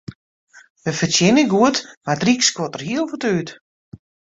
Wy fertsjinje goed, mar it ryk skuort der hiel wat út.